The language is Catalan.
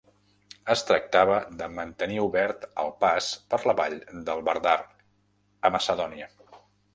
Es tractava de mantenir obert el pas per la vall del Vardar, a Macedònia.